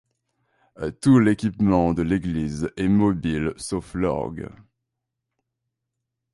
Tout l'équipement de l'église est mobile sauf l'orgue.